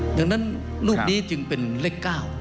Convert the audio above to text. ดังนั้นรูปนี้จึงเป็นเลข๙